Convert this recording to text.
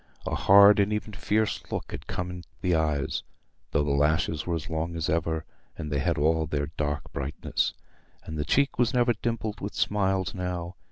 A hard and even fierce look had come in the eyes, though their lashes were as long as ever, and they had all their dark brightness. And the cheek was never dimpled with smiles now.